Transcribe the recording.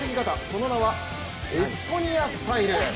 その名はエストニアスタイル。